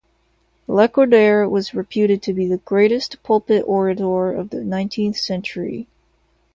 Lacordaire was reputed to be the greatest pulpit orator of the nineteenth century.